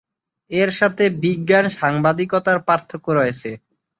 এর সাথে বিজ্ঞান সাংবাদিকতার পার্থক্য রয়েছে।